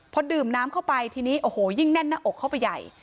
พอดื่มน้ำเข้าไปทีนี้โอ้โหยิ่งแน่นหน้าอกเข้าไปใหญ่